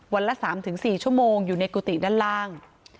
ละ๓๔ชั่วโมงอยู่ในกุฏิด้านล่าง